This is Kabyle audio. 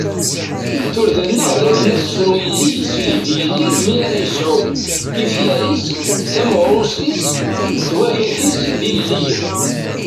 Turda-nneɣ d akken asefru ilelli yettili d ilelli mi ara ad yesɛu ifyar-is d tmaɣrut-is d wakat-is d ilelliyen.